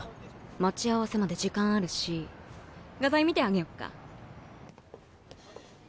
待ち合わせまで時間あるし画材見てあげよっか？